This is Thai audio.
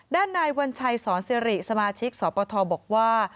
ด้านนายวัญชัยสอนสิริสมาชิกสปทบอกว่า